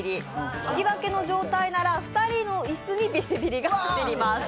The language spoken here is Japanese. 引き分けの状態なら２人の椅子にビリビリが走ります。